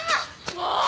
もう！